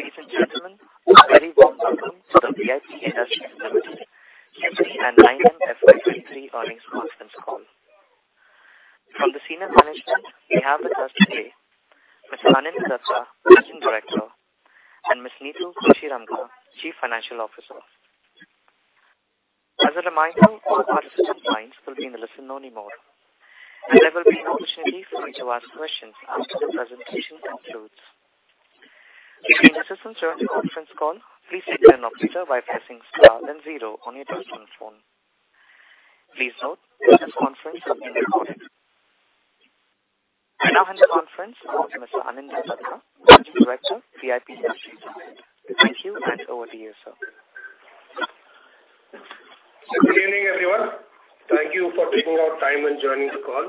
Good evening, ladies and gentlemen. A very warm welcome to the VIP Industries Limited 9M FY23 earnings conference call. From the senior management, we have with us today Mr. Anindya Dutta, Managing Director, and Ms. Neetu Kashiramka, Chief Financial Officer. As a reminder, all participant lines will be in the listen-only mode, and there will be an opportunity for you to ask questions after the presentation concludes. If you need assistance during the conference call, please contact an operator by pressing star then zero on your telephone. Please note, this conference is being recorded. I now hand the conference over to Mr. Anindya Dutta, Managing Director, VIP Industries Limited. Thank you, and over to you, sir. Good evening, everyone. Thank you for taking out time and joining the call.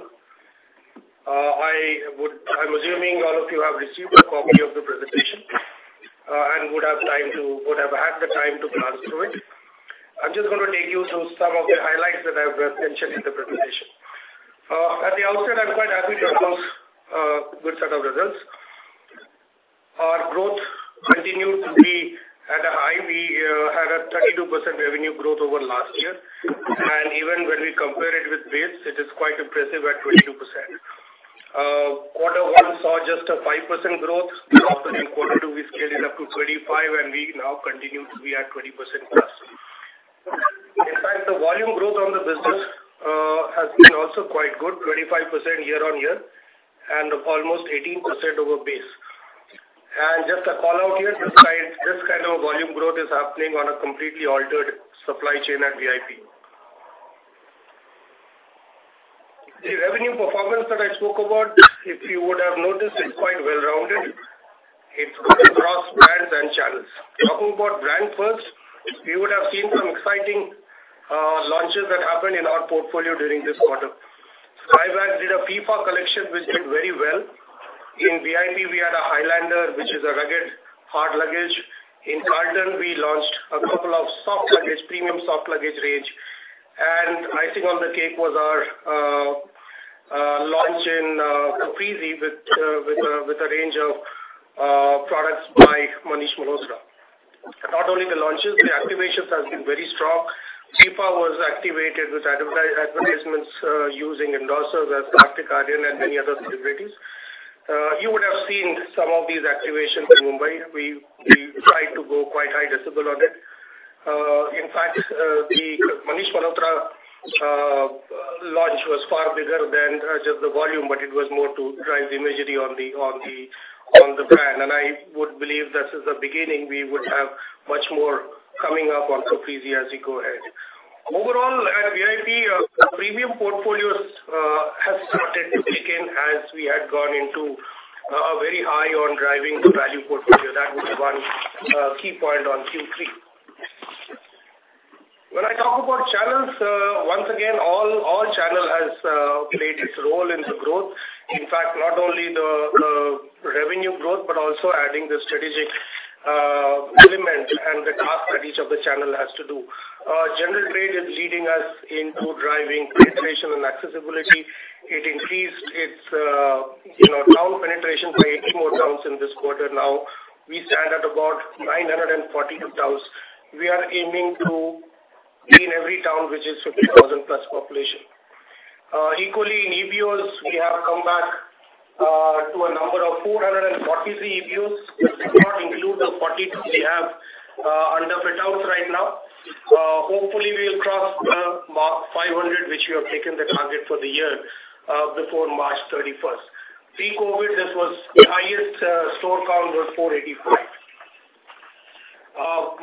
I'm assuming all of you have received a copy of the presentation and would have had the time to glance through it. I'm just going to take you through some of the highlights that I've mentioned in the presentation. At the outset, I'm quite happy to announce a good set of results. Our growth continued to be at a high. We had a 32% revenue growth over last year, and even when we compare it with base, it is quite impressive at 22%. Quarter one saw just a 5% growth, and after then quarter two, we scaled it up to 25%, and we now continue to be at 20%+. In fact, the volume growth on the business has been also quite good, 25% year-on-year and almost 18% over base. Just a callout here, this kind of a volume growth is happening on a completely altered supply chain at VIP. The revenue performance that I spoke about, if you would have noticed, it's quite well-rounded. It's good across brands and channels. Talking about brand first, you would have seen some exciting launches that happened in our portfolio during this quarter. Skybags did a FIFA collection which did very well. In VIP, we had a Highlander which is a rugged, hard luggage. In Carlton, we launched a couple of soft luggage, premium soft luggage range. And icing on the cake was our launch in Caprese with a range of products by Manish Malhotra. Not only the launches, the activations have been very strong. FIFA was activated with advertisements using endorsers as Kartik Aaryan and many other celebrities. You would have seen some of these activations in Mumbai. We tried to go quite high decibel on it. In fact, Manish Malhotra's launch was far bigger than just the volume, but it was more to drive the imagery on the brand. I would believe that since the beginning, we would have much more coming up on Caprese as we go ahead. Overall, at VIP, the premium portfolio has started to kick in as we had gone into a very high on driving the value portfolio. That was one key point on Q3. When I talk about channels, once again, all channel has played its role in the growth. In fact, not only the revenue growth, but also adding the strategic element and the task that each of the channel has to do. General trade is leading us into driving penetration and accessibility. It increased its town penetration by 80 more towns in this quarter now. We stand at about 942 towns. We are aiming to be in every town which is 50,000+ population. Equally, in EBOs, we have come back to a number of 443 EBOs. That does not include the 42 we have under fit-outs right now. Hopefully, we'll cross the mark 500 which we have taken the target for the year before March 31st. Pre-COVID, the highest store count was 485.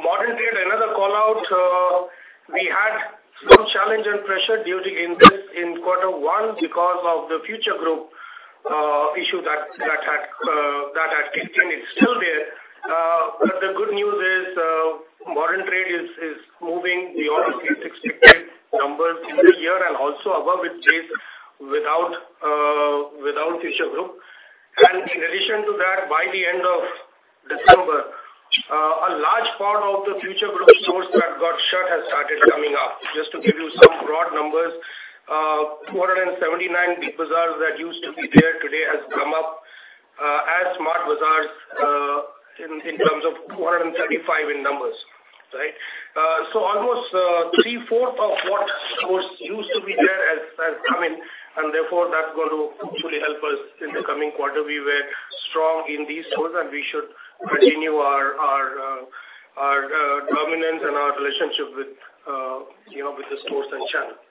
Modern trade, another callout, we had some challenge and pressure during this in quarter one because of the Future Group issue that had kicked in. It's still there, but the good news is modern trade is moving beyond its expected numbers in the year and also above its base without Future Group. In addition to that, by the end of December, a large part of the Future Group stores that got shut has started coming up. Just to give you some broad numbers, 479 Big Bazaars that used to be there today have come up as Smart Bazaars in terms of 235 in numbers, right? So almost three-fourths of what stores used to be there has come in, and therefore, that's going to hopefully help us in the coming quarter. We were strong in these stores, and we should continue our dominance and our relationship with the stores and channels.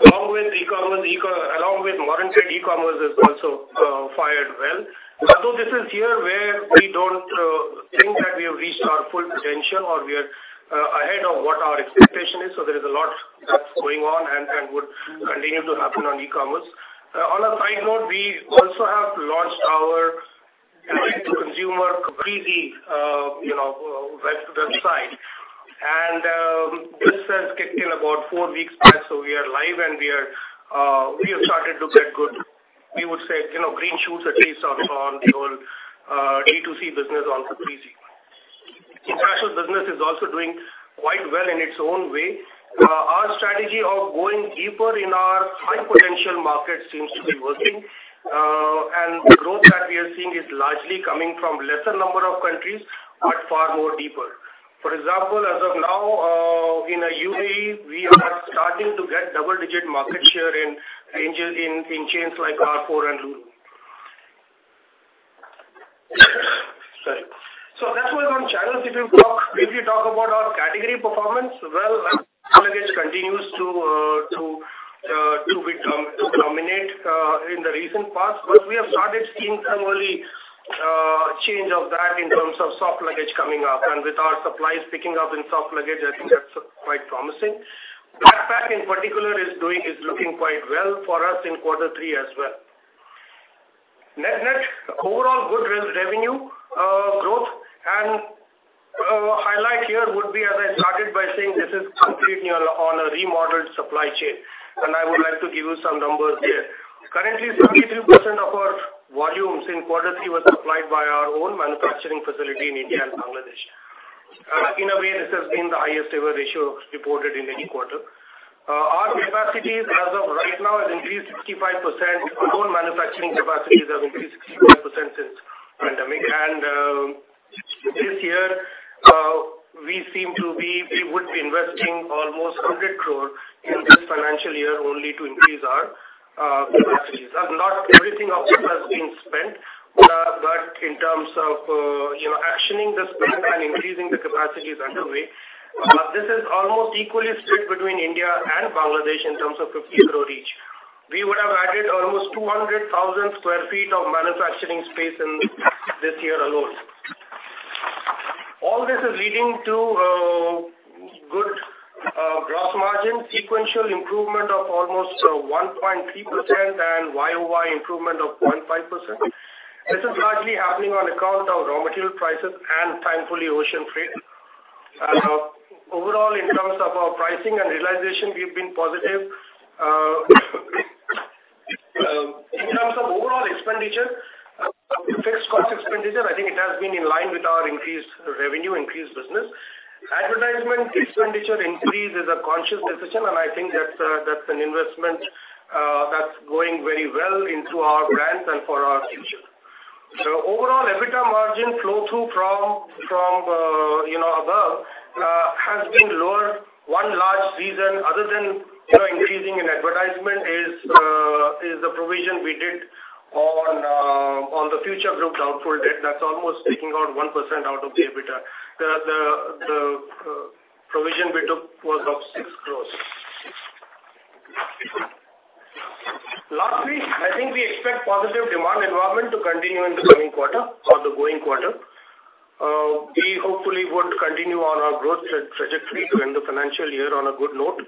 Along with modern trade, e-commerce has also fired well. Although this is a year where we don't think that we have reached our full potential or we are ahead of what our expectation is, so there is a lot that's going on and would continue to happen on e-commerce. On a side note, we also have launched our D2C Caprese website. This has kicked in about four weeks back, so we are live, and we have started to get good, we would say, green shoots at least on the whole D2C business on Caprese. International business is also doing quite well in its own way. Our strategy of going deeper in our high-potential markets seems to be working, and the growth that we are seeing is largely coming from a lesser number of countries but far more deeper. For example, as of now, in UAE, we are starting to get double-digit market share in chains like Carrefour and Lulu. Sorry. So that was on channels. If you talk about our category performance, well, our small luggage continues to dominate in the recent past, but we have started seeing some early change of that in terms of soft luggage coming up. With our supplies picking up in soft luggage, I think that's quite promising. Backpack, in particular, is looking quite well for us in quarter three as well. Net overall good revenue growth, and a highlight here would be, as I started by saying, this is completely on a remodeled supply chain, and I would like to give you some numbers here. Currently, 73% of our volumes in quarter three were supplied by our own manufacturing facility in India and Bangladesh. In a way, this has been the highest-ever ratio reported in any quarter. Our capacities, as of right now, have increased 65%. Our own manufacturing capacities have increased 65% since the pandemic, and this year, we would be investing almost 100 crore in this financial year only to increase our capacities. Not everything of this has been spent, but in terms of actioning this plan and increasing the capacities underway, this is almost equally split between India and Bangladesh in terms of 50 crore each. We would have added almost 200,000 sq ft of manufacturing space this year alone. All this is leading to good gross margin, sequential improvement of almost 1.3%, and YOY improvement of 0.5%. This is largely happening on account of raw material prices and, thankfully, ocean freight. Overall, in terms of our pricing and realization, we've been positive. In terms of overall expenditure, fixed cost expenditure, I think it has been in line with our increased revenue, increased business. Advertisement expenditure increase is a conscious decision, and I think that's an investment that's going very well into our brands and for our future. So overall, EBITDA margin flow-through from above has been lower. One large reason other than increasing in advertisement is the provision we did on the Future Group doubtful debt. That's almost taking out 1% out of the EBITDA. The provision we took was of 6 crore. Lastly, I think we expect positive demand environment to continue in the coming quarter or the going quarter. We hopefully would continue on our growth trajectory to end the financial year on a good note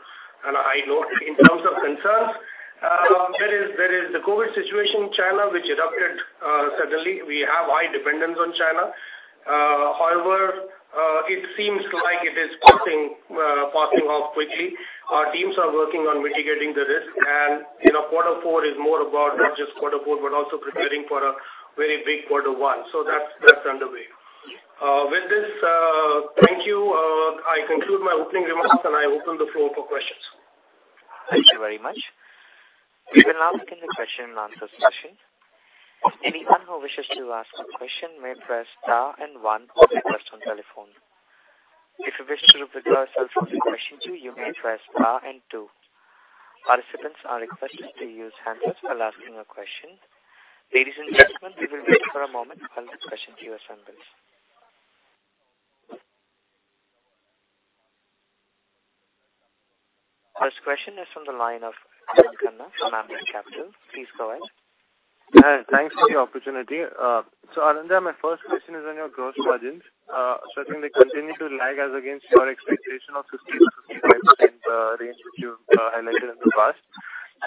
and a high note. In terms of concerns, there is the COVID situation in China which erupted suddenly. We have high dependence on China. However, it seems like it is passing off quickly. Our teams are working on mitigating the risk, and quarter four is more about not just quarter four but also preparing for a very big quarter one. So that's underway. With this, thank you. I conclude my opening remarks, and I open the floor for questions. Thank you very much. We will now begin the question and answers session. Anyone who wishes to ask a question may press star and one or request on telephone. If you wish to withdraw yourself from the question queue, you may press star and two. Participants are requested to use handset while asking a question. Ladies and gentlemen, we will wait for a moment while the question queue assembles. First question is from the line of Karan Khanna from Ambit Capital. Please go ahead. Thanks for the opportunity. So Anindya, my first question is on your gross margins. So I think they continue to lag against your expectation of 50%-55% range which you've highlighted in the past.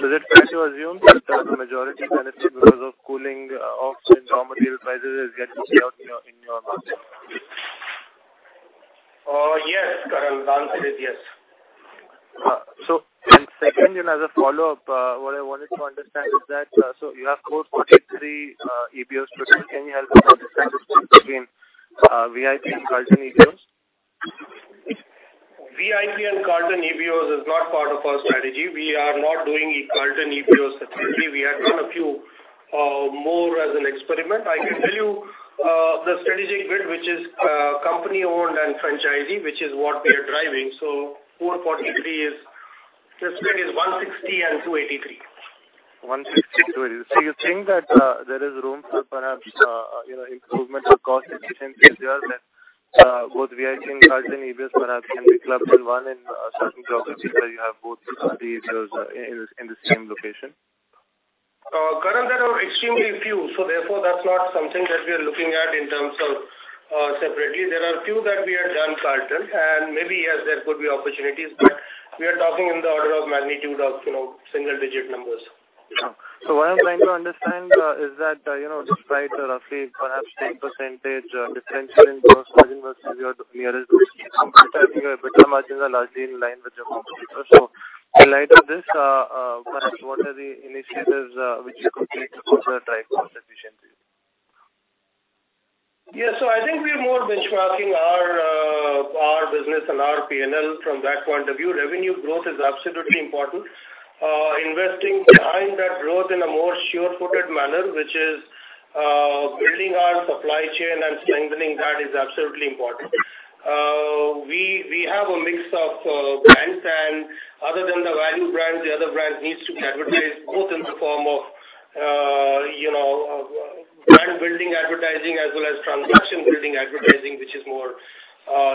So is it fair to assume that the majority benefit because of cooling off in raw material prices is getting out in your market? Yes, Karan. The answer is yes. Second, as a follow-up, what I wanted to understand is that so you have 443 EBOs today. Can you help me understand the split between VIP and Carlton EBOs? VIP and Carlton EBOs is not part of our strategy. We are not doing Carlton EBOs specifically. We have done a few more as an experiment. I can tell you the strategic split which is company-owned and franchisee which is what we are driving. So 443 is the split is 160 and 283. 160, 283. So you think that there is room for perhaps improvement for cost efficiency there that both VIP and Carlton EBOs perhaps can be clubbed in one in certain geographies where you have both the EBOs in the same location? Karan, there are extremely few, so therefore, that's not something that we are looking at in terms of separately. There are a few that we have done Carlton, and maybe, yes, there could be opportunities, but we are talking in the order of magnitude of single-digit numbers. So what I'm trying to understand is that despite the roughly perhaps 10% difference in gross margin versus your nearest company, I think your EBITDA margins are largely in line with your competitors. So in light of this, perhaps what are the initiatives which you complete to further drive cost efficiencies? Yes. So I think we are more benchmarking our business and our P&L from that point of view. Revenue growth is absolutely important. Investing behind that growth in a more sure-footed manner which is building our supply chain and strengthening that is absolutely important. We have a mix of brands, and other than the value brands, the other brand needs to be advertised both in the form of brand-building advertising as well as transaction-building advertising which is more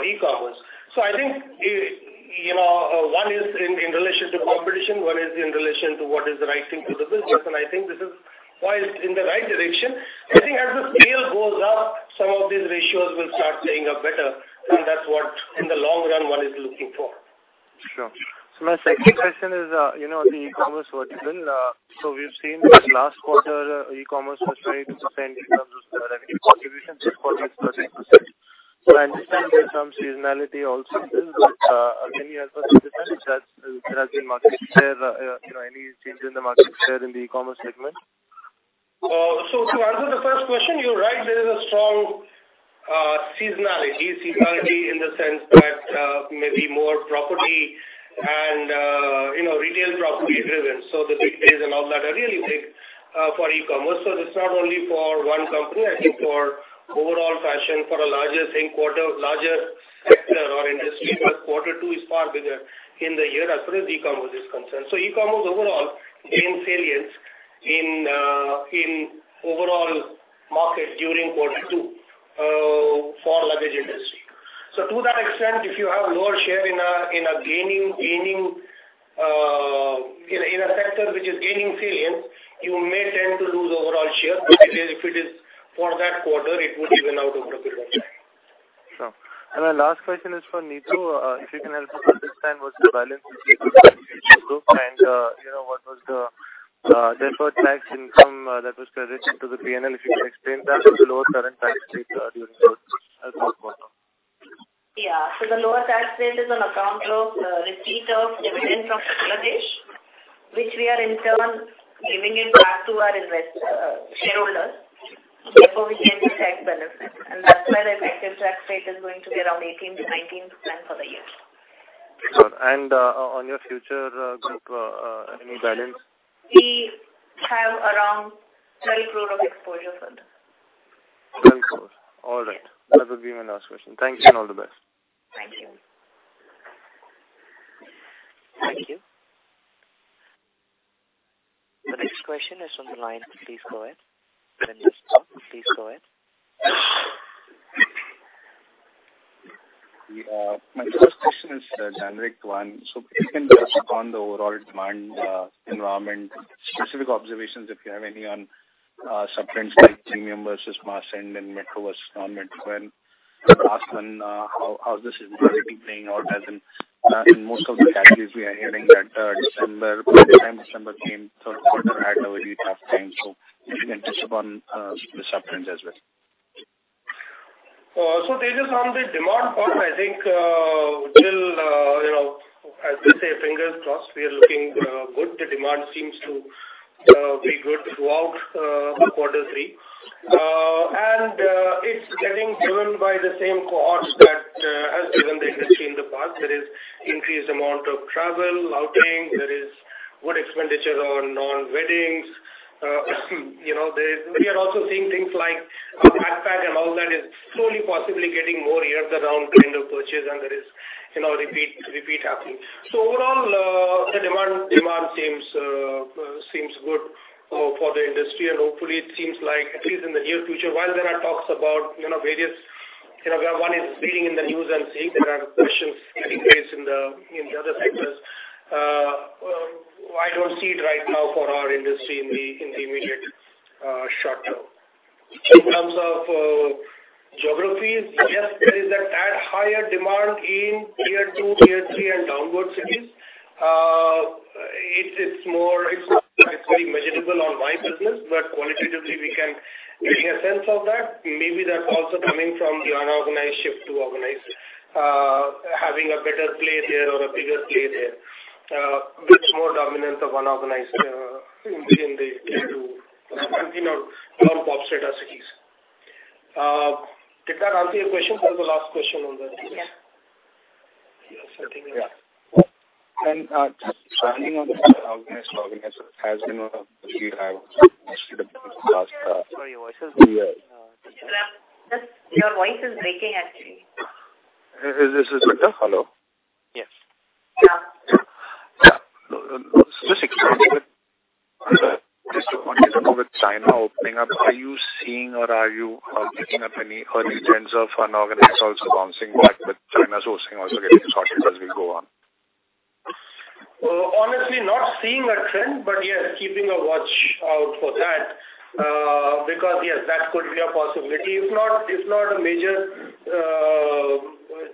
e-commerce. So I think one is in relation to competition. One is in relation to what is the right thing for the business, and I think this is why it's in the right direction. I think as the scale goes up, some of these ratios will start staying up better, and that's what, in the long run, one is looking for. Sure. So my second question is the e-commerce vertical. So we've seen that last quarter, e-commerce was 32% in terms of the revenue contribution. This quarter is 30%. So I understand there's some seasonality also in this, but can you help us understand if there has been any change in the market share in the e-commerce segment? To answer the first question, you're right. There is a strong seasonality in the sense that maybe more property and retail property-driven. So the big days and all that are really big for e-commerce. So it's not only for one company. I think for overall fashion, for a larger sector or industry, but quarter two is far bigger in the year as far as e-commerce is concerned. So e-commerce overall gained salience in overall market during quarter two for luggage industry. So to that extent, if you have lower share in a gaining in a sector which is gaining salience, you may tend to lose overall share. If it is for that quarter, it would be went out over a period of time. Sure. My last question is for Neetu. If you can help us understand what's the balance between the two groups and what was the deferred tax income that was credited to the P&L, if you can explain that with the lower current tax rate during quarter? Yeah. So the lower tax rate is on account of receipt of dividend from Bangladesh which we are, in turn, giving it back to our shareholders. Therefore, we gain the tax benefit, and that's why the effective tax rate is going to be around 18%-19% for the year. Sure. On your Future Group, any balance? We have around 12 crore of exposure fund. 12 crore. All right. That would be my last question. Thank you and all the best. Thank you. Thank you. The next question is on the line. Please go ahead. When you stop, please go ahead. My first question is generic to one. So if you can just respond to overall demand environment, specific observations if you have any on subtrends like premium versus mass-end and metro versus non-metro. And the last one, how's this entirety playing out? As in most of the categories, we are hearing that by the time December came, third quarter had a really tough time. So if you can touch upon the subtrends as well. So Tejash, on the demand part, I think till, as we say, fingers crossed, we are looking good. The demand seems to be good throughout quarter three, and it's getting driven by the same core that has driven the industry in the past. There is increased amount of travel, outing. There is good expenditure on non-weddings. We are also seeing things like backpack and all that is slowly possibly getting more year-round kind of purchase, and there is repeat happening. So overall, the demand seems good for the industry, and hopefully, it seems like, at least in the near future, while there are talks about various one is reading in the news and seeing there are questions getting raised in the other sectors. I don't see it right now for our industry in the immediate short term. In terms of geographies, yes, there is that higher demand in tier two, tier three, and downward cities. It's pretty measurable on my business, but qualitatively, we can give you a sense of that. Maybe that's also coming from the unorganized shift to organized, having a better play there or a bigger play there with more dominance of unorganized in the tier two non-pop-startup cities. Did that answer your question? That was the last question on that. Yeah. Yes, I think. Yeah. Just touching on unorganized to organized, it has been one of the few I've asked in the past. Sorry, your voice is? Yes. Tejas? Yes. Your voice is breaking, actually. Is this better? Hello? Yes. Yeah. Yeah. So this exposure, just to continue with China opening up, are you seeing or are you picking up any early trends of unorganized also bouncing back with China's hosting also getting sorted as we go on? Honestly, not seeing a trend, but yes, keeping a watch out for that because, yes, that could be a possibility. If not a major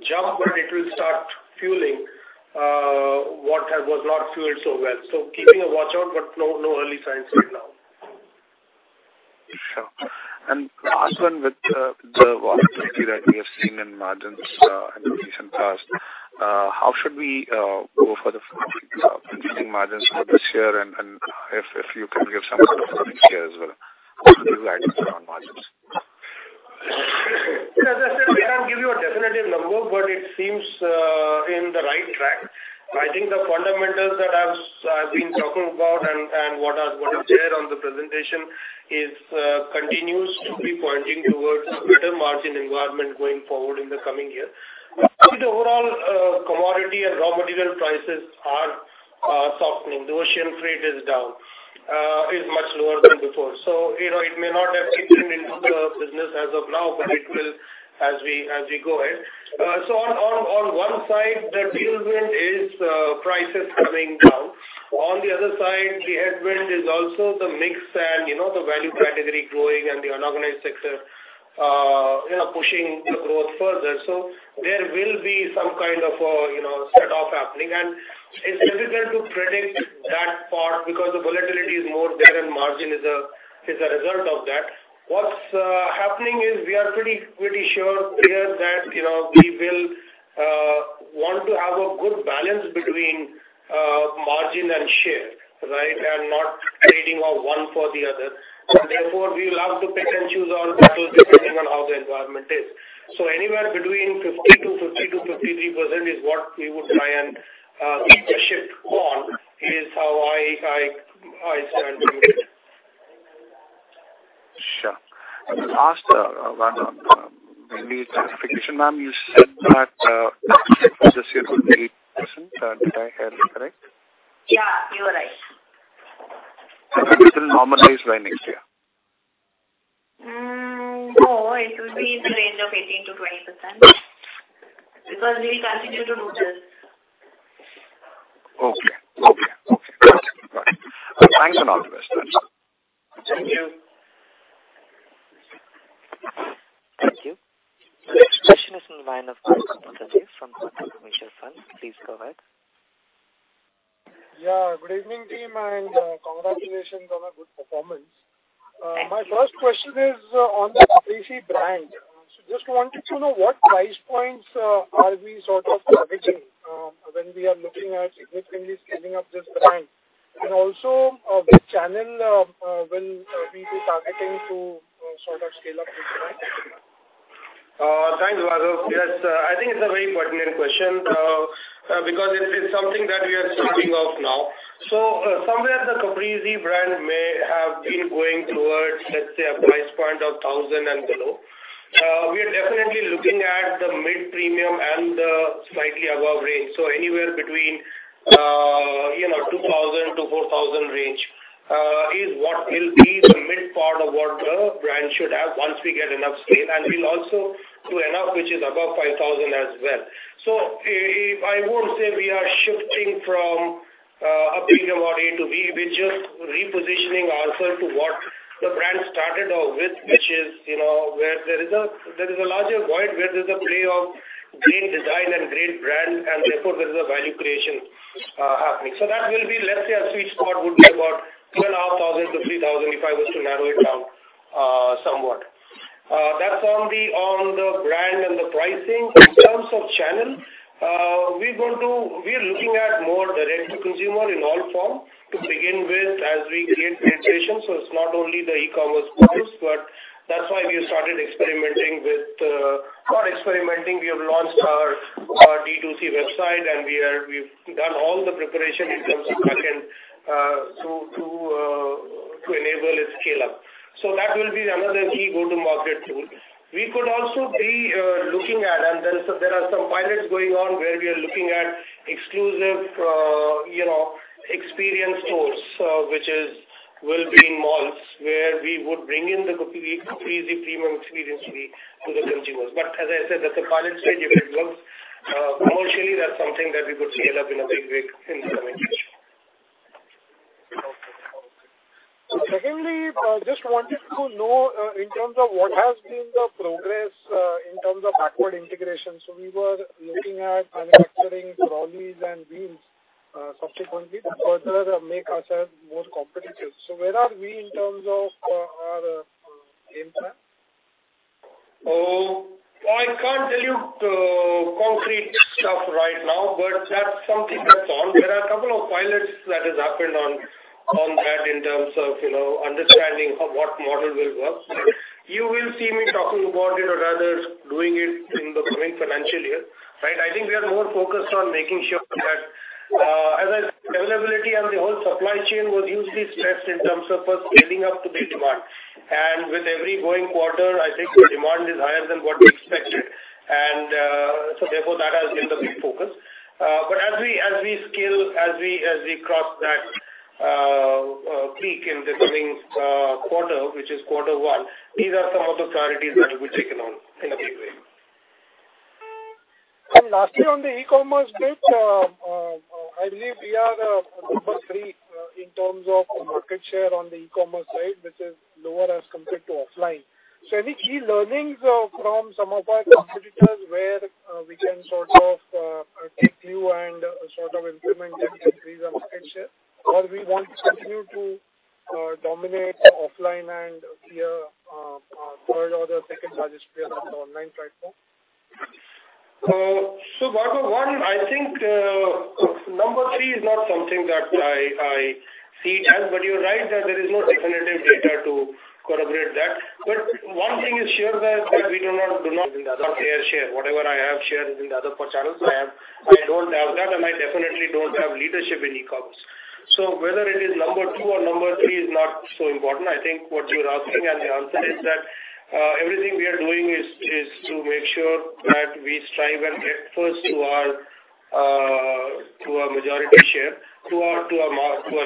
jump, but it will start fueling what was not fueled so well. So keeping a watch out, but no early signs right now. Sure. And last one, with the volatility that we have seen in margins in the recent past, how should we go for the margins for this year? And if you can give some kind of indicator as well, what would you advise around margins? As I said, I can't give you a definitive number, but it seems on the right track. I think the fundamentals that I've been talking about and what is there on the presentation continues to be pointing towards a better margin environment going forward in the coming year. The overall commodity and raw material prices are softening. The ocean freight is much lower than before. So it may not have kicked in into the business as of now, but it will as we go ahead. So on one side, the tailwind is prices coming down. On the other side, the headwind is also the mix and the value category growing and the unorganized sector pushing the growth further. So there will be some kind of offset happening, and it's difficult to predict that part because the volatility is more there and margin is a result of that. What's happening is we are pretty sure here that we will want to have a good balance between margin and share, right, and not trading off one for the other. Therefore, we will have to pick and choose our battle depending on how the environment is. Anywhere between 50%-53% is what we would try and keep a ship on is how I stand to it. Sure. Last one, maybe clarification, ma'am. You said that next ship for this year could be 80%. Did I have that correct? Yeah, you're right. Will it normalize by next year? No, it will be in the range of 18%-20% because we will continue to do this. Okay. Okay. Okay. Got it. Got it. Thanks and all the best. Thanks. Thank you. Thank you. The next question is on the line of Bhargav Buddhadev from Kotak Mutual Fund. Please go ahead. Yeah. Good evening, team, and congratulations on a good performance. My first question is on the Caprese brand. So just wanted to know what price points are we sort of targeting when we are looking at significantly scaling up this brand and also which channel will we be targeting to sort of scale up this brand? Thanks, Bhargav. Yes, I think it's a very pertinent question because it's something that we are starting off now. So somewhere, the Caprese brand may have been going towards, let's say, a price point of 1,000 and below. We are definitely looking at the mid-premium and the slightly above range. So anywhere between 2,000-4,000 range is what will be the mid part of what the brand should have once we get enough scale and will also do enough which is above 5,000 as well. So I won't say we are shifting from Big Bazaar to VIP. We're just repositioning ourselves to what the brand started off with which is where there is a larger void where there's a play of great design and great brand, and therefore, there is a value creation happening. So that will be, let's say, a sweet spot would be about 12,500-3,000 if I was to narrow it down somewhat. That's on the brand and the pricing. In terms of channel, we are looking at more direct-to-consumer in all forms to begin with as we create penetration. So it's not only the e-commerce focus, but that's why we have started experimenting with not experimenting. We have launched our D2C website, and we've done all the preparation in terms of backend to enable its scale-up. So that will be another key go-to-market tool. We could also be looking at and then so there are some pilots going on where we are looking at exclusive experience stores which will be in malls where we would bring in the Caprese premium experience to the consumers. But as I said, that's a pilot stage. If it works commercially, that's something that we could scale up in a big way in the coming year. Secondly, just wanted to know in terms of what has been the progress in terms of backward integration. So we were looking at manufacturing trolleys and beams subsequently to further make ourselves more competitive. So where are we in terms of our game plan? Well, I can't tell you concrete stuff right now, but that's something that's on. There are a couple of pilots that have happened on that in terms of understanding what model will work. You will see me talking about it or rather doing it in the coming financial year, right? I think we are more focused on making sure that as I said, availability and the whole supply chain was hugely stressed in terms of us scaling up to the demand. And with every going quarter, I think the demand is higher than what we expected. And so therefore, that has been the big focus. But as we scale, as we cross that peak in the coming quarter which is quarter one, these are some of the priorities that will be taken on in a big way. And lastly, on the e-commerce bit, I believe we are number three in terms of market share on the e-commerce side which is lower as compared to offline. So any key learnings from some of our competitors where we can sort of take cue and sort of implement and increase our market share? Or do we want to continue to dominate offline and be a third or a second largest player on the online platform? So Bhargav, one, I think number three is not something that I see it as, but you're right that there is no definitive data to corroborate that. But one thing is sure that we do not in the other share, whatever I have shared in the other four channels, I don't have that, and I definitely don't have leadership in e-commerce. So whether it is number two or number three is not so important. I think what you're asking, and the answer is that everything we are doing is to make sure that we strive and get first to our majority share, to our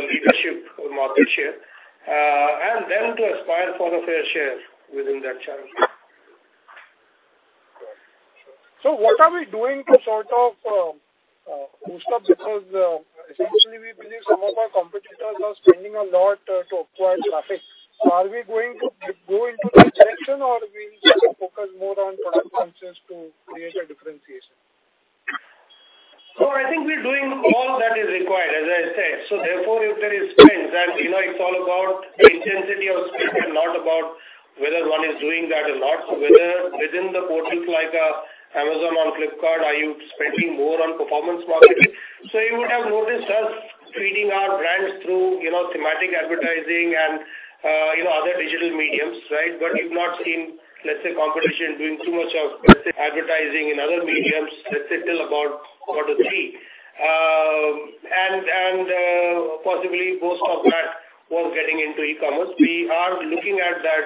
leadership market share, and then to aspire for a fair share within that channel. So what are we doing to sort of boost up say, competition doing too much of, let's say, advertising in other mediums, let's say, till about quarter three. And possibly, most of that was getting into e-commerce. We are looking at that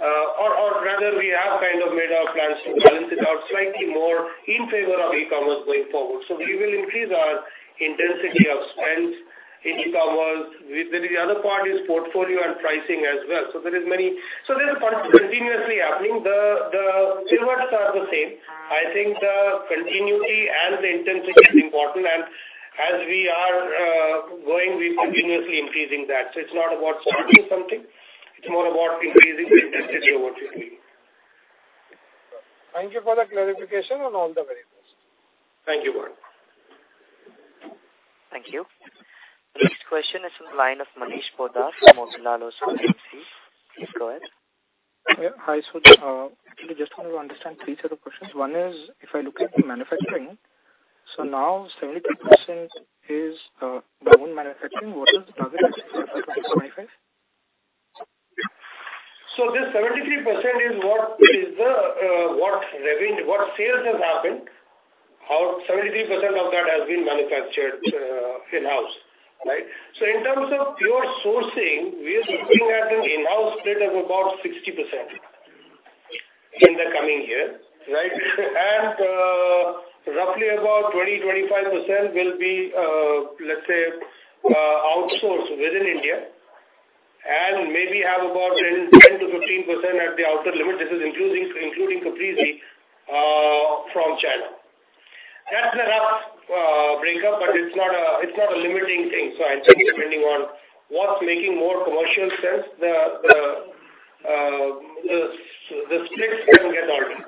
or rather, we have kind of made our plans to balance it out slightly more in favor of e-commerce going forward. So we will increase our intensity of spend in e-commerce. The other part is portfolio and pricing as well. So there's a bunch continuously happening. The pivots are the same. I think the continuity and the intensity is important. And as we are going, we're continuously increasing that. So it's not about starting something. It's more about increasing the intensity of what we're doing. Thank you for the clarification and all the very best. Thank you, Bhargav Buddhadev. Thank you. The next question is on the line of Manish Poddar from Motilal Oswal Asset Management Company, VC. Please go ahead. Yeah. Hi, Sudha. Actually, just wanted to understand three set of questions. One is if I look at manufacturing, so now 73% is their own manufacturing. What does it target after 2025? So this 73% is what revenue, what sales have happened. How 73% of that has been manufactured in-house, right? So in terms of pure sourcing, we are looking at an in-house split of about 60% in the coming year, right? And roughly about 20%-25% will be, let's say, outsourced within India and maybe have about 10%-15% at the outer limit. This is including Caprese from China. That's the rough breakup, but it's not a limiting thing. So I think depending on what's making more commercial sense, the split can get larger.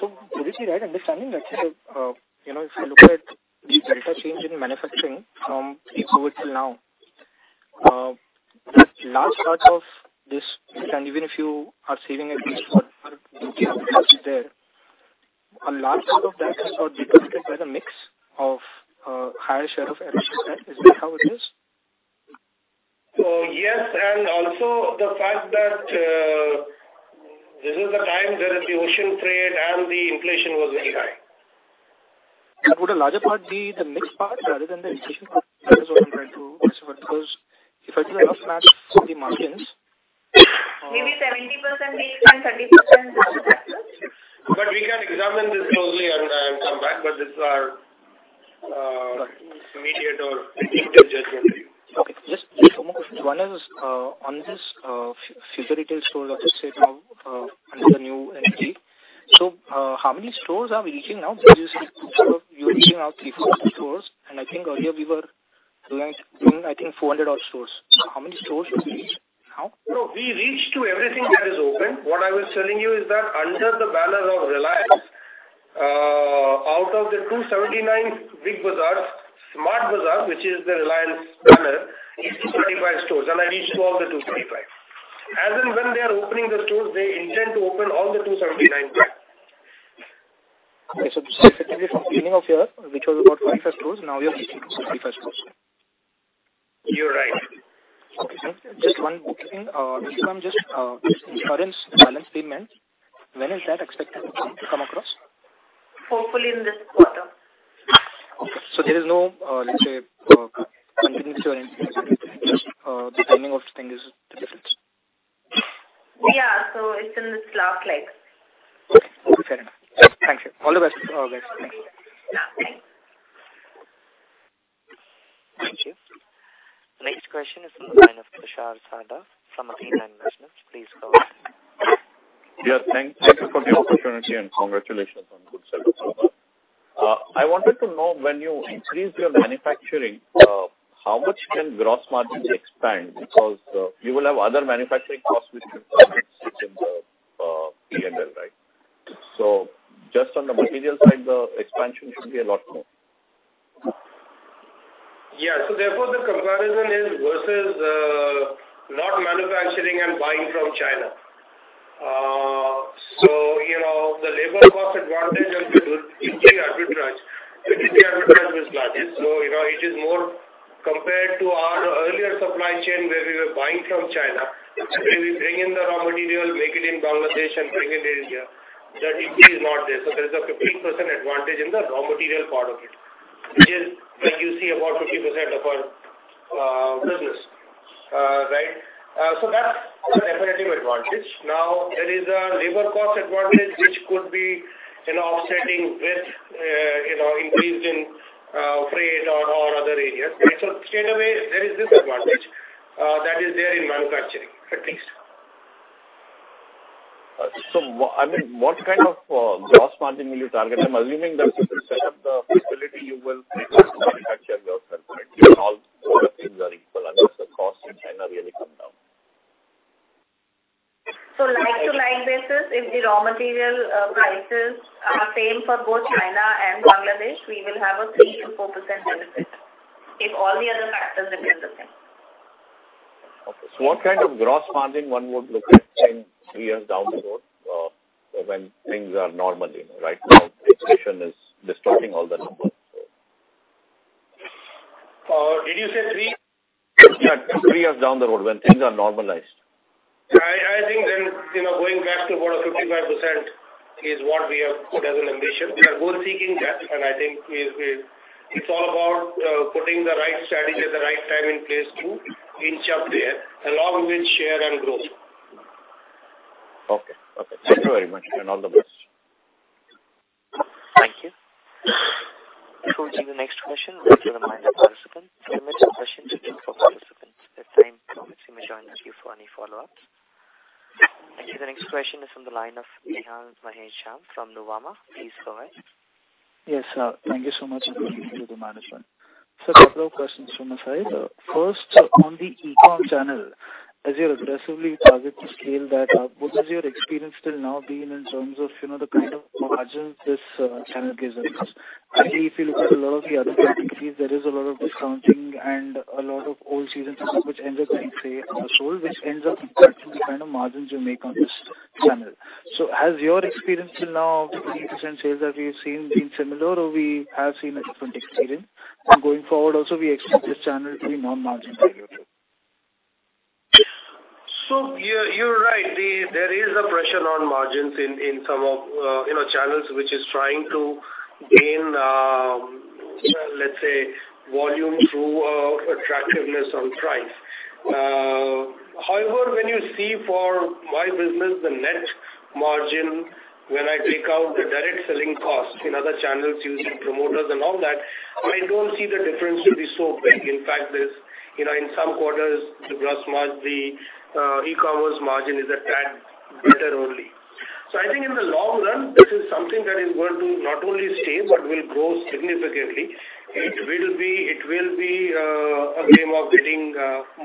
So would it be right understanding that if I look at the data change in manufacturing from pre-COVID till now, the last part of this and even if you are saving at least for there, a large part of that has got depleted by the mix of higher share of is that how it is? Yes. Also the fact that this is the time where the ocean freight and the inflation was very high. Would a larger part be the mixed part rather than the inflation? That is what I'm trying to ask you about because if I do a rough match of the margins. Maybe 70% mix and 30% rough match. We can examine this closely and come back. This is our immediate or detailed judgment. Okay. Just one more question. One is on these Future Retail stores as you said now under the new entity. So how many stores are we reaching now? You're reaching out 3,400 stores. And I think earlier, we were doing, I think, 400-odd stores. How many stores do we reach now? No, we reach to everything that is open. What I was telling you is that under the banner of Reliance, out of the 279 Big Bazaars, Smart Bazaar, which is the Reliance banner, is 235 stores. And I reached all the 235. As in when they are opening the stores, they intend to open all the 279 back. Okay. Specifically from the beginning of year, which was about 45 stores, now we are reaching 265 stores. You're right. Okay. Just one more thing. If I'm just insurance balance payment, when is that expected to come across? Hopefully, in this quarter. Okay. So there is no, let's say, continuity or increase. Just the timing of things is the difference. Yeah. So it's in this last leg. Okay. Fair enough. Thank you. All the best, guys. Thank you. Yeah. Thanks. Thank you. The next question is on the line of Tushar Sarda from Athena Investments. Please go ahead. Yeah. Thank you for the opportunity and congratulations on good service. I wanted to know when you increase your manufacturing, how much can gross margin expand because you will have other manufacturing costs which should be in the P&L, right? So just on the material side, the expansion should be a lot more. Yeah. So therefore, the comparison is versus not manufacturing and buying from China. So the labor cost advantage and the D2C arbitrage, the D2C arbitrage was largest. So it is more compared to our earlier supply chain where we were buying from China. Actually, we bring in the raw material, make it in Bangladesh, and bring it to India. The D2C is not there. So there is a 15% advantage in the raw material part of it which is like you see about 50% of our business, right? So that's a definitive advantage. Now, there is a labor cost advantage which could be offsetting with increase in freight or other areas, right? So straight away, there is this advantage that is there in manufacturing, at least. So I mean, what kind of gross margin will you target? I'm assuming that you can set up the facility you will manufacture yourself, right? All the things are equal unless the cost in China really comes down. Like-for-like basis, if the raw material prices are the same for both China and Bangladesh, we will have a 3%-4% benefit if all the other factors remain the same. Okay. So what kind of gross margin one would look at three years down the road when things are normal, right? Now, inflation is distorting all the numbers, so. Did you say three? Yeah. Three years down the road when things are normalized. I think then going back to about 55% is what we have put as an ambition. We are goal-seeking that, and I think it's all about putting the right strategy at the right time in place too, in chunk there, along with share and growth. Okay. Okay. Thank you very much, and all the best. Thank you. We'll proceed to the next question. Thank you for the minded participants. We'll submit the question to two more participants. At that time, let's see if I join with you for any follow-ups. Thank you. The next question is on the line of Nihal Mahesh Jham from Nuvama. Please go ahead. Yes, sir. Thank you so much for speaking to the management. So a couple of questions from my side. First, on the e-com channel, as you're aggressively targeting to scale that up, what is your experience till now being in terms of the kind of margins this channel gives us? Actually, if you look at a lot of the other categories, there is a lot of discounting and a lot of old seasoned stuff which ends up being sold which ends up impacting the kind of margins you make on this channel. So has your experience till now of the 30% sales that we've seen been similar, or we have seen a different experience? And going forward also, we expect this channel to be non-margin failure too. So you're right. There is a pressure on margins in some of channels which is trying to gain, let's say, volume through attractiveness on price. However, when you see for my business, the net margin, when I take out the direct selling costs in other channels using promoters and all that, I don't see the difference to be so big. In fact, in some quarters, the gross margin, the e-commerce margin is actually better only. So I think in the long run, this is something that is going to not only stay but will grow significantly. It will be a game of getting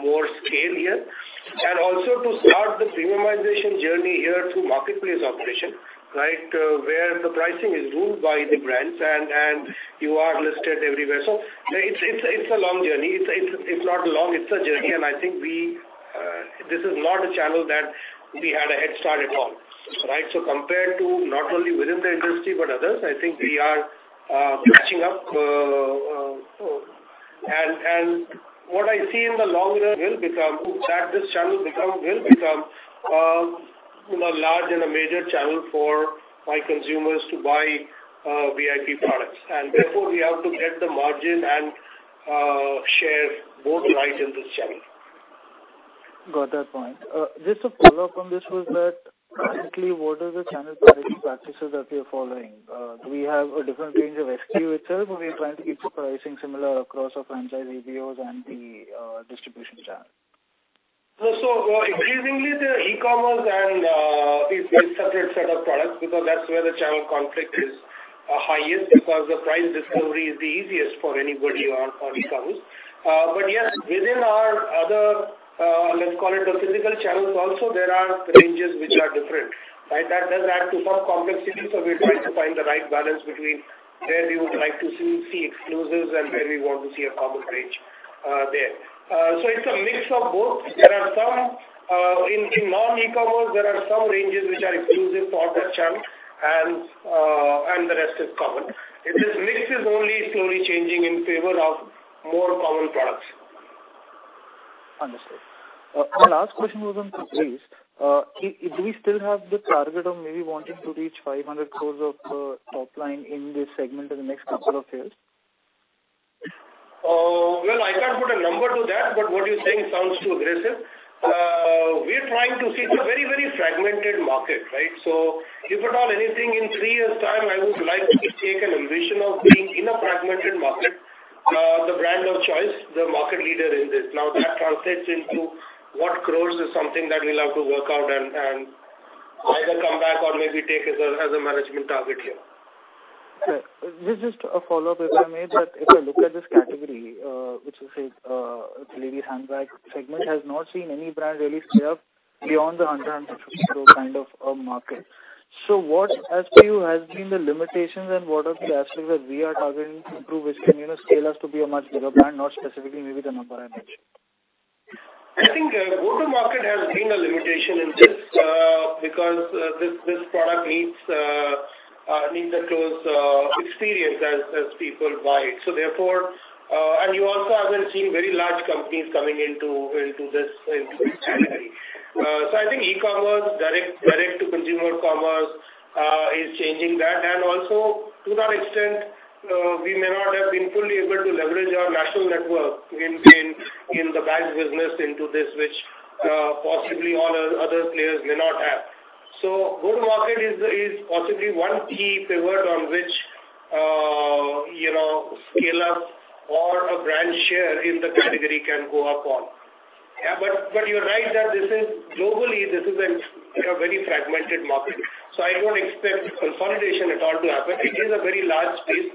more scale here. And also to start the premiumization journey here through marketplace operation, right, where the pricing is ruled by the brands, and you are listed everywhere. So it's a long journey. It's not long. It's a journey. I think this is not a channel that we had a head start at all, right? Compared to not only within the industry but others, I think we are catching up. What I see in the long will become that this channel will become large and a major channel for my consumers to buy VIP products. Therefore, we have to get the margin and share both right in this channel. Got that point. Just a follow-up on this was that currently, what are the channel pricing practices that we are following? Do we have a different range of SKU itself, or are we trying to keep the pricing similar across our franchise EBOs and the distribution channel? So increasingly, the e-commerce and it's a separate set of products because that's where the channel conflict is highest because the price discovery is the easiest for anybody on e-commerce. But yes, within our other, let's call it, the physical channels also, there are ranges which are different, right? That does add to some complexity. So we're trying to find the right balance between where we would like to see exclusives and where we want to see a common range there. So it's a mix of both. In non-e-commerce, there are some ranges which are exclusive for our channel, and the rest is common. This mix is only slowly changing in favor of more common products. Understood. My last question was on the Caprese. Do we still have the target of maybe wanting to reach 500 crore of top line in this segment in the next couple of years? Well, I can't put a number to that, but what you're saying sounds too aggressive. We're trying to see it's a very, very fragmented market, right? So if at all anything, in three years' time, I would like to take an ambition of being in a fragmented market, the brand of choice, the market leader in this. Now, that translates into what crores is something that we'll have to work out and either come back or maybe take as a management target here. Right. This is just a follow-up if I may, but if I look at this category, which is a ladies' handbag segment, has not seen any brand really scale up beyond the 100 crore-150 crore kind of market. So what, as per you, has been the limitations, and what are the aspects that we are targeting to improve which can scale us to be a much bigger brand, not specifically maybe the number I mentioned? I think go-to-market has been a limitation in this because this product needs a close experience as people buy it. So therefore, and you also haven't seen very large companies coming into this category. So I think e-commerce, direct-to-consumer commerce is changing that. And also to that extent, we may not have been fully able to leverage our national network in the bag business into this which possibly all other players may not have. So go-to-market is possibly one key pivot on which scale-up or a brand share in the category can go up on. Yeah. But you're right that globally, this is a very fragmented market. So I don't expect consolidation at all to happen. It is a very large space,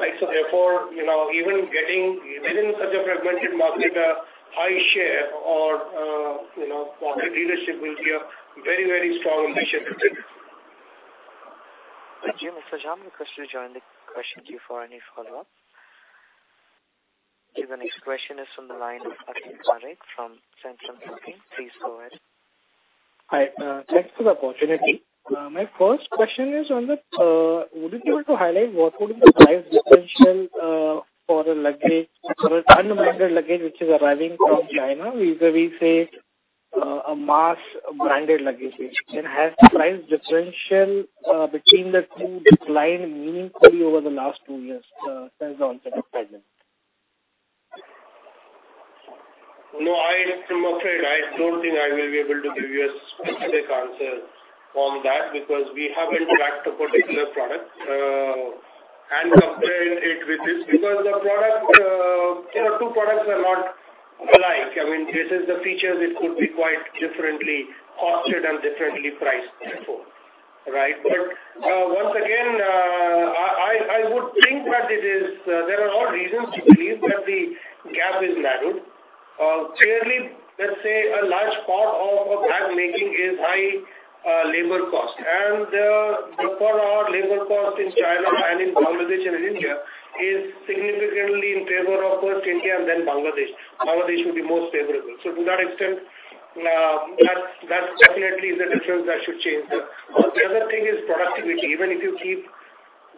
right? So therefore, even getting within such a fragmented market, a high share or market leadership will be a very, very strong ambition. Thank you, Mr. Jham. I have a question to join the question queue for any follow-ups. The next question is on the line of Akhil Parekh from Centrum Broking. Please go ahead. Hi. Thanks for the opportunity. My first question is, would it be able to highlight what would be the price differential for an unbranded luggage which is arriving from China? Whether we say a mass-branded luggage, and has the price differential between the two declined meaningfully over the last two years since the onset of flagship? No, I'm afraid I don't think I will be able to give you a specific answer on that because we haven't tracked a particular product and compared it with this because the product two products are not alike. I mean, this is the features. It could be quite differently costed and differently priced before, right? But once again, I would think that it is there are all reasons to believe that the gap is narrowed. Clearly, let's say a large part of bag making is high labor cost. And for our labor cost in China and in Bangladesh and in India, it's significantly in favor of first India and then Bangladesh. Bangladesh would be most favorable. So to that extent, that definitely is a difference that should change there. The other thing is productivity. Even if you keep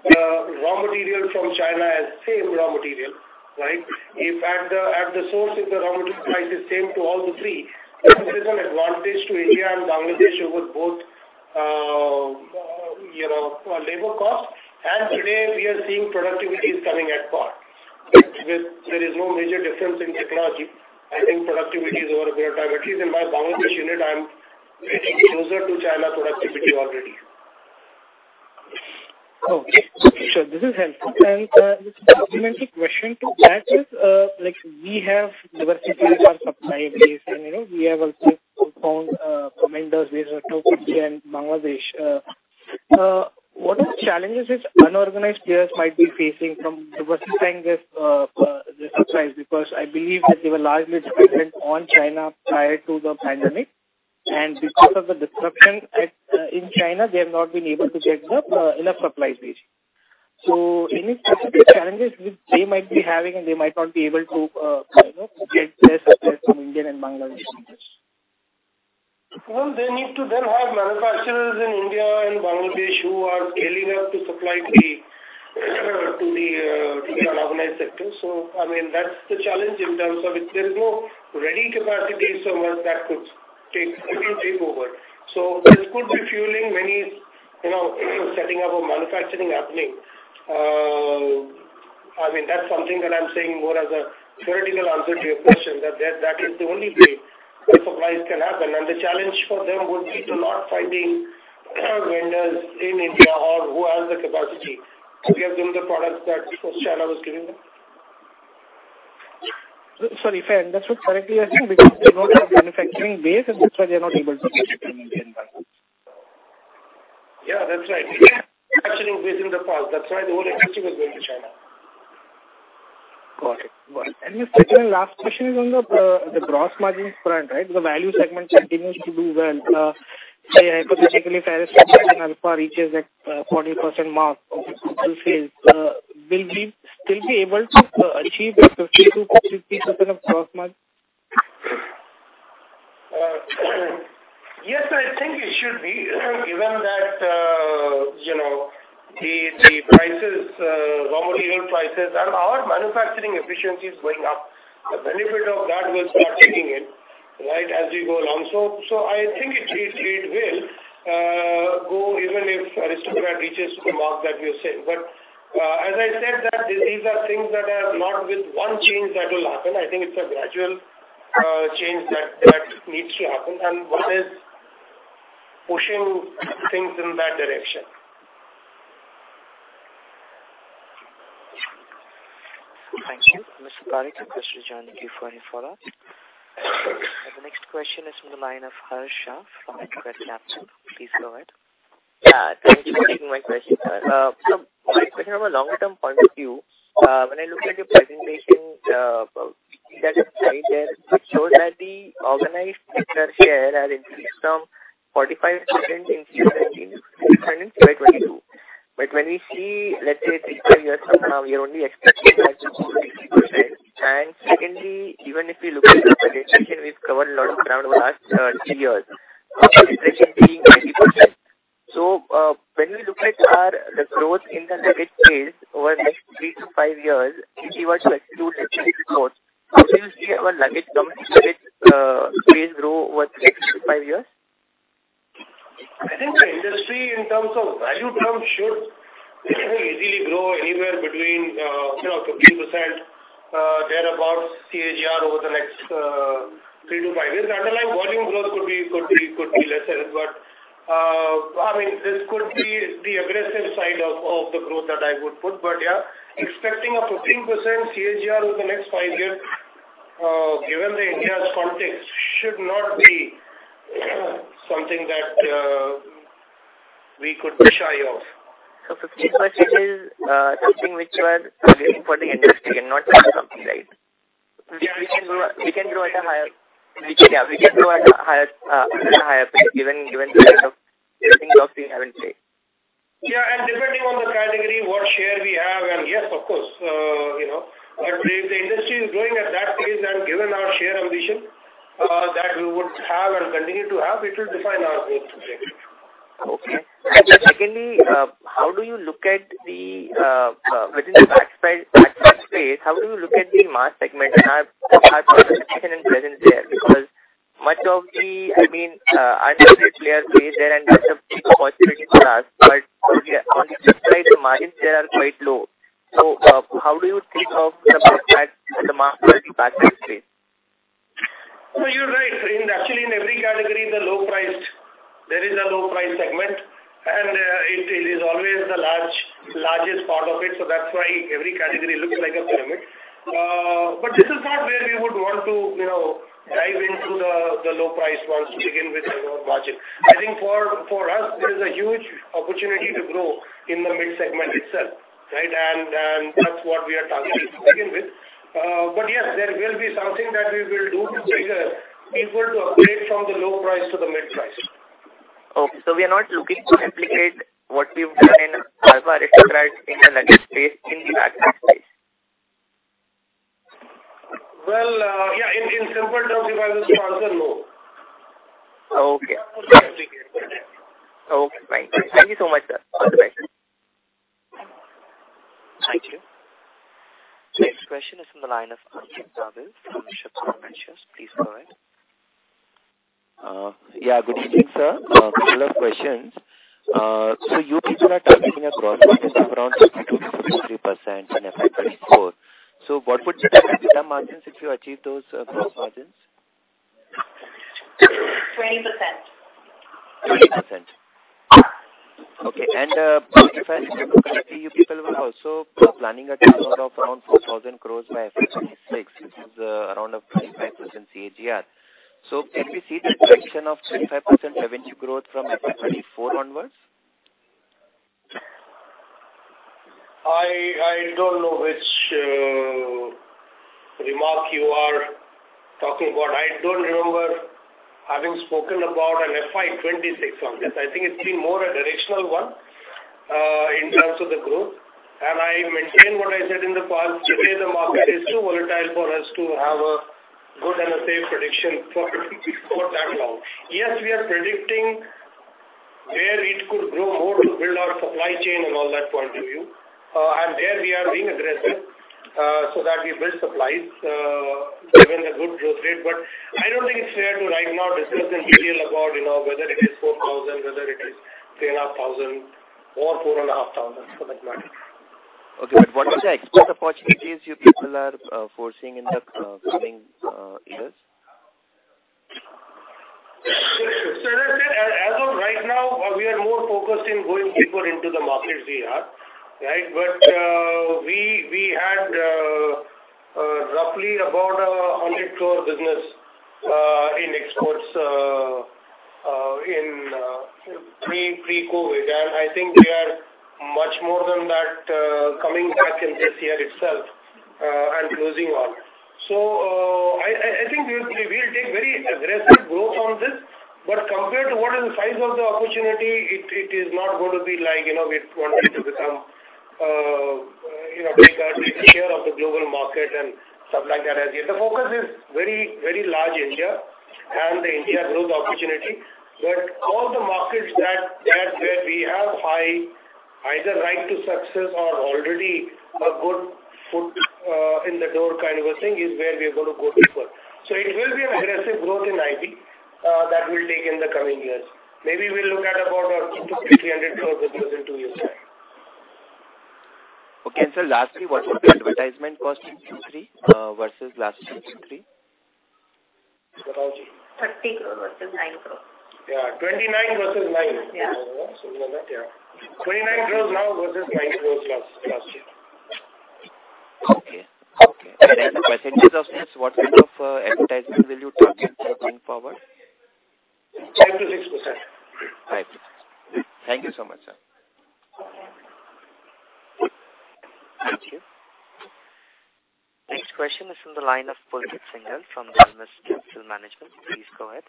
the raw material from China as same raw material, right, if at the source of the raw material price is same to all the three, this is an advantage to India and Bangladesh over both labor cost. Today, we are seeing productivity is coming at par. There is no major difference in technology. I think productivity is over a period of time. At least in my Bangladesh unit, I'm getting closer to China productivity already. Oh, sure. This is helpful. And just a complementary question to that is we have diversified our supply base, and we have also found vendors based in Turkey and Bangladesh. What are the challenges which unorganized players might be facing from diversifying their supplies? Because I believe that they were largely dependent on China prior to the pandemic. And because of the disruption in China, they have not been able to get enough supplies based. So any specific challenges which they might be having, and they might not be able to get their supplies from India and Bangladesh? Well, they need to then have manufacturers in India and Bangladesh who are scaling up to supply to the unorganized sector. So I mean, that's the challenge in terms of there is no ready capacity so much that could take over. So this could be fueling many setting up a manufacturing happening. I mean, that's something that I'm saying more as a theoretical answer to your question that that is the only way supplies can happen. And the challenge for them would be to not find vendors in India or who has the capacity to give them the products that first China was giving them. Sorry, fair enough. That's what I was directly asking because they don't have a manufacturing base, and that's why they're not able to manufacture in India and Bangladesh. Yeah, that's right. Yeah. Manufacturing base in the past. That's why the whole industry was going to China. Got it. Got it. And my second and last question is on the gross margins front, right? The value segment continues to do well. Say hypothetically, Aristocrat reaches that 40% mark of the total sales, will we still be able to achieve a 50%-60% of gross margin? Yes, I think it should be given that the prices, raw material prices, and our manufacturing efficiency is going up. The benefit of that will start taking in, right, as we go along. So I think it will go even if Aristocrat reaches the mark that we are saying. But as I said, these are things that are not with one change that will happen. I think it's a gradual change that needs to happen. And one is pushing things in that direction. Thank you. Mr. Parekh, your question is joining the queue for any follow-ups. The next question is on the line of Harsh Shah from InCred Capital. Please go ahead. Thanks for taking my question. From a longer-term point of view, when I look at your presentation, that showed that the organized sector share has increased from 45% in Q13 to 60% in Q22. But when we see, let's say, 3, 5 years from now, we are only expecting that to be 60%. And secondly, even if we look at the presentation, we've covered a lot of ground over the last 3 years. Enterprise is being 90%. So when we look at the growth in the luggage space over the next 3-5 years, if we were to exclude the growth, would you see our luggage space grow over the next 3-5 years? I think the industry, in terms of value term, should easily grow anywhere between 15% thereabouts CAGR over the next three to five years. The underlying volume growth could be lesser. But I mean, this could be the aggressive side of the growth that I would put. But yeah, expecting a 15% CAGR over the next five years, given the India's context, should not be something that we could be shy of. So 15% is something which we are targeting for the industry and not just something, right? We can grow at a higher pace given the kind of things we haven't seen. Yeah. And depending on the category, what share we have, and yes, of course. But if the industry is growing at that pace and given our share ambition that we would have and continue to have, it will define our growth objective. Okay. And then secondly, how do you look at the within the fashion space, how do you look at the mass segment and our participation and presence there? Because much of the, I mean, unbranded players are there, and that's a big opportunity for us. But on the fashion space, the margins there are quite low. So how do you think of the fashion space, the mass fashion space? So you're right. Actually, in every category, there is a low-price segment. It is always the largest part of it. That's why every category looks like a pyramid. But this is not where we would want to dive into the low-price ones to begin with our margin. I think for us, it is a huge opportunity to grow in the mid-segment itself, right? That's what we are targeting to begin with. But yes, there will be something that we will do to figure people to upgrade from the low price to the mid-price. Okay. So we are not looking to replicate what we've done in Hard, Aristocrat, in the luggage space, in the fashion space? Well, yeah, in simple terms, if I was to answer, no. Okay. Okay. Fine. Thank you so much, sir. Have a good day. Thank you. Next question is on the line of Ankit Babel from Subhkam Ventures. Please go ahead. Yeah. Good evening, sir. A couple of questions. So you people are targeting a gross margin of around 62%-63% in FY24. So what would be the EBITDA margins if you achieve those gross margins? 20%. 20%. Okay. If I look at the current, you people are also planning a turnover of around 4,000 crore by FY26. This is around a 25% CAGR. So can we see the expectation of 25% revenue growth from FY34 onwards? I don't know which remark you are talking about. I don't remember having spoken about an FY26 on this. I think it's been more a directional one in terms of the growth. I maintain what I said in the past. Today, the market is too volatile for us to have a good and a safe prediction for that long. Yes, we are predicting where it could grow more to build our supply chain and all that point of view. There, we are being aggressive so that we build supplies given the good growth rate. I don't think it's fair to right now discuss in detail about whether it is 4,000, whether it is 3,500, or 4,500 for that matter. Okay. But what are the expense opportunities you people are foreseeing in the coming years? So as of right now, we are more focused in going deeper into the markets we are, right? But we had roughly about an 100 crore business in exports pre-COVID. And I think we are much more than that coming back in this year itself and closing on. So I think we will take very aggressive growth on this. But compared to what is the size of the opportunity, it is not going to be like we wanted to take a share of the global market and stuff like that as yet. The focus is very, very large India and the India growth opportunity. But all the markets that we have high either right to success or already a good foot in the door kind of a thing is where we are going to go deeper. It will be an aggressive growth in VIP that will take in the coming years. Maybe we'll look at about a 2 crore-300 crore business in 2 years' time. Okay. And so lastly, what would be advertisement cost Q3 versus last Q3? 60 crore versus INR 9 crore. INR 29 crore versus INR 9 crore. Similar that, yeah. 29 crore now versus 9 crore last year. Okay. Okay. In the percentage of this, what kind of advertisement will you target going forward? 5%-6%. 5%. Thank you so much, sir. Thank you. Next question is on the line of Pulkit Singhal from Dalmus Capital Management. Please go ahead.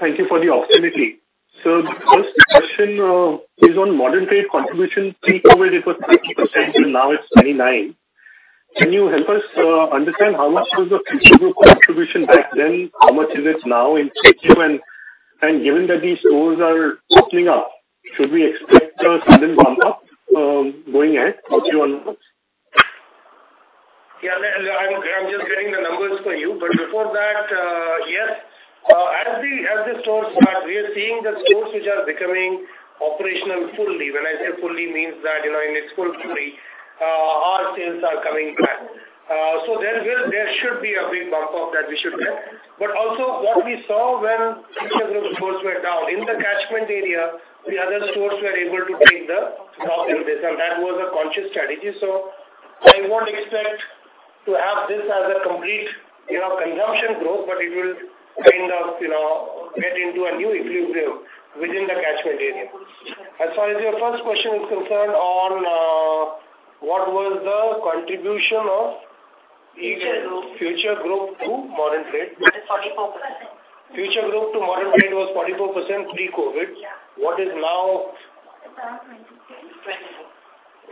Thank you for the opportunity. So first question is on modern trade contribution. Pre-COVID, it was 30%, and now it's 29%. Can you help us understand how much was the Future Group contribution back then? How much is it now in Q2? And given that these stores are opening up, should we expect a sudden bump-up going ahead? What do you want to know? Yeah. I'm just getting the numbers for you. But before that, yes, as the stores start, we are seeing the stores which are becoming operational fully. When I say fully, it means that in its full degree, our sales are coming back. So there should be a big bump-up that we should get. But also, what we saw when Future Group stores were down, in the catchment area, the other stores were able to take the top of this. And that was a conscious strategy. So I won't expect to have this as a complete consumption growth, but it will kind of get into a new equilibrium within the catchment area. As far as your first question is concerned on what was the contribution of. Future growth. Future growth to modern trade. That is 44%. Future growth to modern trade was 44% pre-COVID. What is now?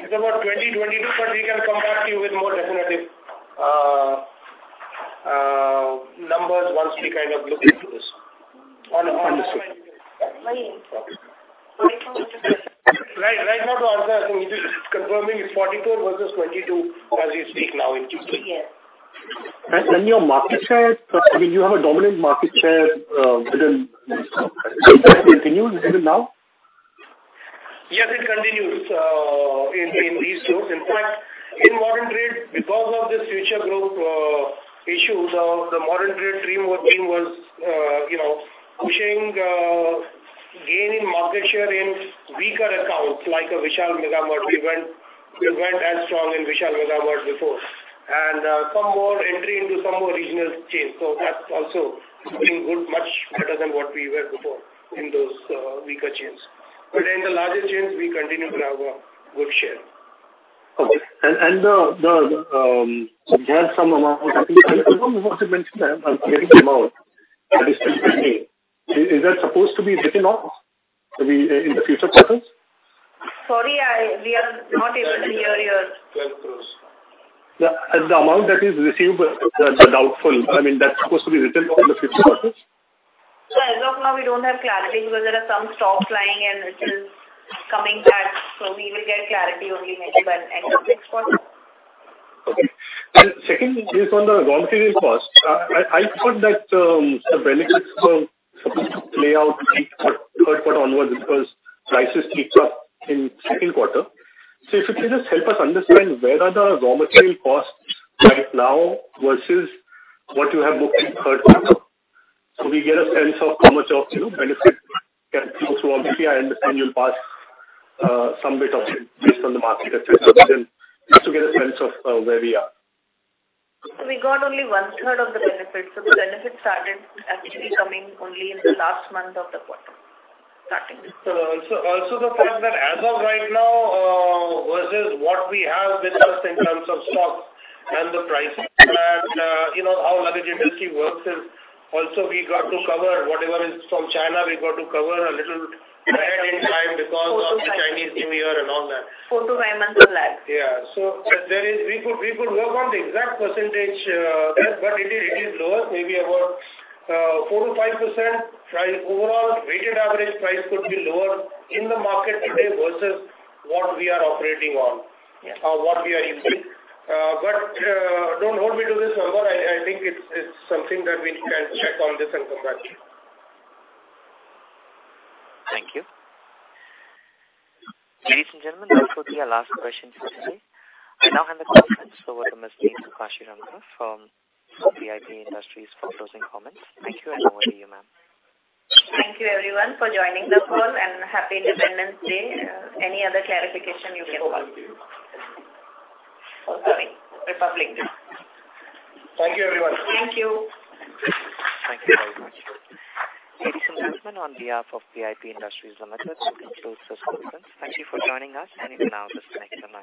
It's around 23. It's about 20-22, but we can come back to you with more definitive numbers once we kind of look into this. Understood. Right now, to answer, I think confirming it's 44 versus 22 as we speak now in Q3. Yes. Your market share, I mean, you have a dominant market share within these stores. Does that continue even now? Yes, it continues in these stores. In fact, in modern trade, because of this future growth issue, the modern trade theme was pushing gain in market share in weaker accounts like Vishal Mega Mart. We weren't as strong in Vishal Mega Mart before. And some more entry into some more regional chains. So that's also been much better than what we were before in those weaker chains. But in the larger chains, we continue to have a good share. Okay. And we have some amounts I think I don't know what you mentioned. I'm getting them out. Aristocrat, is that supposed to be written off in the future quarters? Sorry. We are not able to hear you. 12 crores. The amount that is receivable, the doubtful, I mean, that's supposed to be written off in the future quarters? Yeah. As of now, we don't have clarity because there are some stocks lying, and it is coming back. So we will get clarity only maybe by the end of next quarter. Okay. Second is on the raw material cost. I thought that the benefits were supposed to play out third quarter onwards because prices picked up in second quarter. If you could just help us understand where are the raw material costs right now versus what you have booked in third quarter so we get a sense of how much of benefit can flow through. Obviously, I understand you'll pass some bit of it based on the market, etc., but then just to get a sense of where we are. We got only one-third of the benefits. The benefits started actually coming only in the last month of the quarter, starting. So, also the fact that as of right now versus what we have with us in terms of stocks and the pricing and how the luggage industry works is also we got to cover whatever is from China. We got to cover a little ahead in time because of the Chinese New Year and all that. 4-5 months of lag. Yeah. So we could work on the exact percentage there, but it is lower, maybe about 4%-5%. Overall, weighted average price could be lower in the market today versus what we are operating on or what we are using. But don't hold me to this number. I think it's something that we can check on this and come back to you. Thank you. Ladies and gentlemen, those would be our last questions for today. I now hand the call over to Ms. Neetu Kashiramka from VIP Industries for closing comments. Thank you, and over to you, ma'am. Thank you, everyone, for joining the call, and happy Independence Day. Any other clarification, you can call. Oh, sorry. Republic Day. Thank you, everyone. Thank you. Thank you very much. Ladies and gentlemen, on behalf of VIP Industries Ltd., we conclude this conference. Thank you for joining us, and you can now disconnect from.